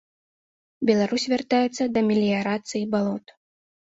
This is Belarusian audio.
Беларусь вяртаецца да меліярацыі балот.